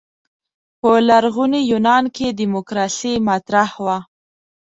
په لرغوني یونان کې دیموکراسي مطرح وه.